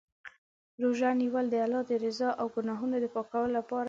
روژه نیول د الله د رضا او ګناهونو د پاکولو لپاره دی.